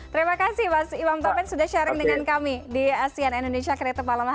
terima kasih mas imam taubet sudah sharing dengan kami di asean indonesia kreatif malam hanya